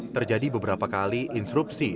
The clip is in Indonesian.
terjadi beberapa kali instrupsi